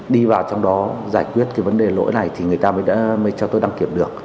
đi vào trong đó giải quyết cái vấn đề lỗi này thì người ta mới đã cho tôi đăng kiểm được